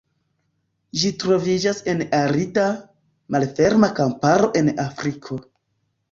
Ĝi troviĝas en arida, malferma kamparo en Afriko.